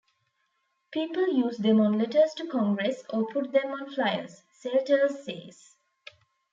"People use them on letters to Congress, or put them on flyers," Seltzer says.